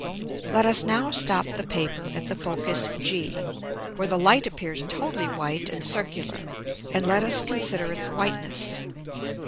Let us now stop the Paper at the Focus G, where the Light appears totally white and circular, and let us consider its whiteness.